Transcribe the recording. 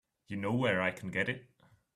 You know where I can get it?